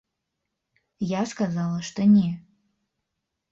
Я сказала, што не.